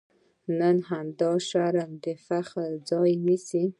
نن همدا شرم د فخر ځای نیسي.